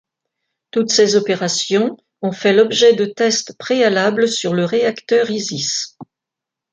Toutes ces opérations ont fait l'objet de tests préalables sur le réacteur Isis.